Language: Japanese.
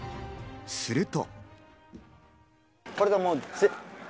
すると。